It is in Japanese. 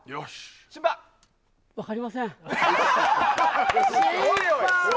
分かりません。